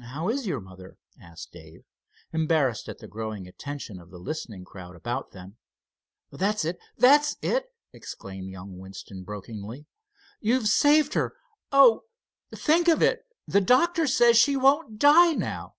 "How is your mother?" asked Dave, embarrassed at the growing attention of the listening crowd about them. "That's it, that's it," exclaimed young Winston, brokenly. "You've saved her, oh, think of it; the doctor says she won't die, now!"